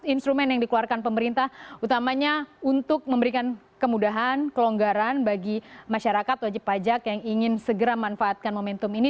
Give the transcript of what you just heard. instrumen yang dikeluarkan pemerintah utamanya untuk memberikan kemudahan kelonggaran bagi masyarakat wajib pajak yang ingin segera manfaatkan momentum ini